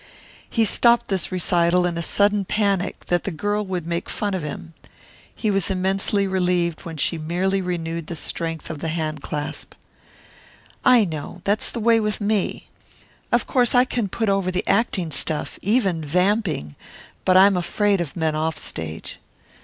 He stopped this recital in a sudden panic fear that the girl would make fun of him. He was immensely relieved when she merely renewed the strength of the handclasp. "I know. That's the way with me. Of course I can put over the acting stuff, even vamping, but I'm afraid of men off stage.